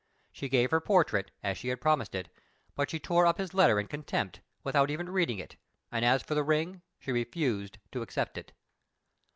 She gave her portrait, as she had promised it, but she tore up his letter in contempt, without even reading it; and as for the ring, she refused to accept it.